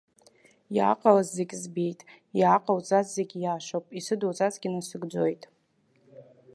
Иааҟалаз зегь збеит, иааҟоуҵаз зегь иашоуп, исыдуҵазгьы насыгӡоит!